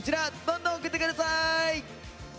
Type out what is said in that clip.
どんどん送って下さい！